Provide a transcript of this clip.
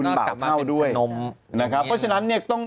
ปากเน่าด้วยนมนะครับเพราะฉะนั้นเนี่ยต้อง